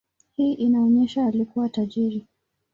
Hii inaonyesha alikuwa tajiri.